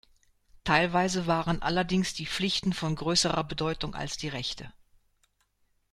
Teilweise waren allerdings die Pflichten von größerer Bedeutung als die Rechte.